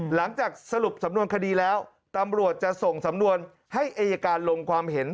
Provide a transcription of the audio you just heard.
หลังจากสรุปสำนวนคดีแล้วตำรวจจะส่งสำนวนให้อายการลงความเห็น